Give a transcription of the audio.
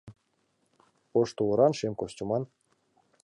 Ош тувыран, шем костюман -